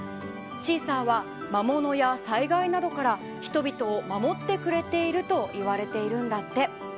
シーサーは魔物や災害などから人々を守ってくれているといわれているんだって。